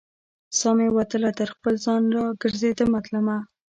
سا مې وتله تر خپل ځان، را ګرزیدمه تلمه